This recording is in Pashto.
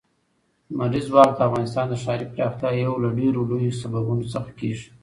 لمریز ځواک د افغانستان د ښاري پراختیا یو له ډېرو لویو سببونو څخه کېږي.